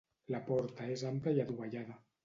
La porta és ampla i adovellada.